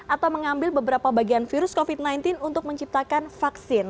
atau mengambil beberapa bagian virus covid sembilan belas untuk menciptakan vaksin